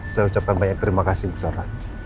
saya ucapkan banyak terima kasih bu sara